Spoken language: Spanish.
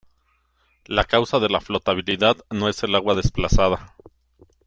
La causa de la flotabilidad no es el agua desplazada.